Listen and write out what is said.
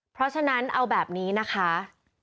เพราะฉะนั้นเอาแบบนี้นะคะ